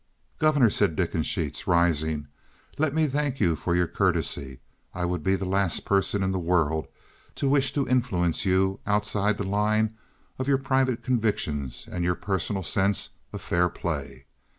"Governor," said Dickensheets, rising, "let me thank you for your courtesy. I would be the last person in the world to wish to influence you outside the line of your private convictions and your personal sense of fair play.